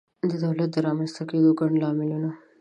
د دولت د رامنځته کېدو ګڼ لاملونه